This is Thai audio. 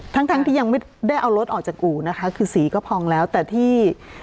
ทั้งทั้งที่ยังไม่ได้เอารถออกจากอู่นะคะคือสีก็พองแล้วแต่ที่